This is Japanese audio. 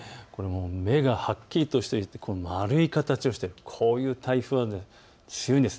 目がはっきりとしているこの丸い形をしている台風は強いんです。